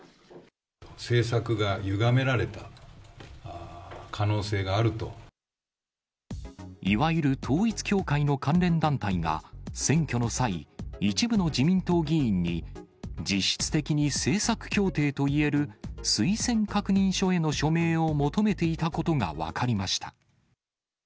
政策がゆがめられた可能性がいわゆる統一教会の関連団体が、選挙の際、一部の自民党議員に、実質的に政策協定といえる推薦確認書への署名を求めていたことが分かりました。